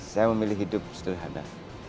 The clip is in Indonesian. saya memilih hidup sederhana